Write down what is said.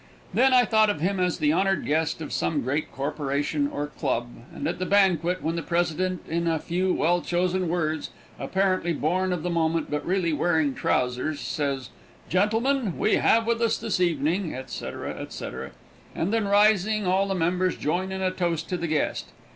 Then I thought of him as the honored guest of some great corporation or club, and at the banquet, when the president, in a few well chosen words, apparently born of the moment but really wearing trousers, says, "Gentlemen, we have with us this evening," etc., etc.; and then rising, all the members join in a toast to the guest.